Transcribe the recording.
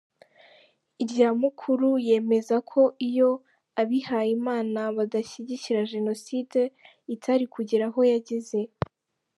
Iryamukuru yemeza ko iyo abihayimana badashyigikira Jenoside itari kugera aho yageze.